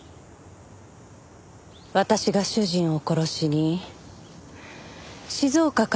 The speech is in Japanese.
私が主人を殺しに静岡から車で？